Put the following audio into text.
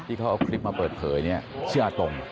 ที่เขาเอาคลิปมาเปิดเผยเนี่ยชื่ออาตง